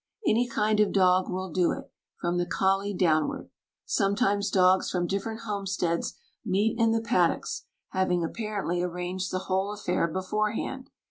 Any kind of dog will do it, from the collie downward. Sometimes dogs from different homesteads meet in the paddocks, having apparently arranged the whole affair beforehand.